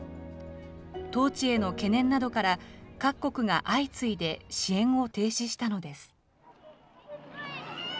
統治への懸念などから各国が相次いで支援を停止したのです。